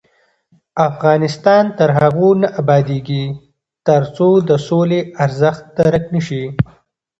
افغانستان تر هغو نه ابادیږي، ترڅو د سولې ارزښت درک نشي.